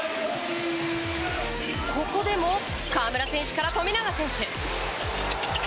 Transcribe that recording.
ここでも河村選手から富永選手。